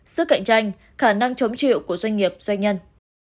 sức cạnh tranh khả năng chống chịu của doanh nghiệp doanh nhân